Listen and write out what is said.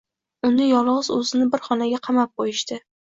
Uni yolgʻiz oʻzini bir xonaga kamab qoʻyishdi